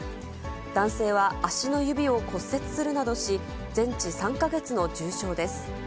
男性は足の指を骨折するなどし、全治３か月の重傷です。